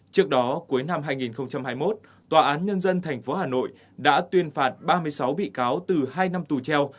trước đó cuối năm hai nghìn hai mươi một tòa án nhân dân tp hà nội đã tuyên phạt ba mươi sáu bị cáo từ hai năm tù treo